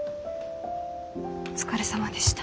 お疲れさまでした。